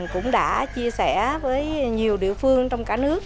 cũng đã chia sẻ với nhiều địa phương trong cả nước